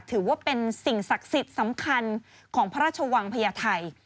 ถือว่าเป็นสิ่งศักดิ์สิทธิ์สำคัญของพระราชวังพญาไทย